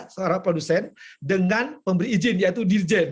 seorang produsen dengan memberi izin yaitu dirjen